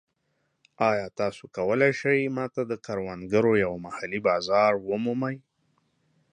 ایا تاسو کولی شئ ما ته د کروندګرو یو محلي بازار ومومئ؟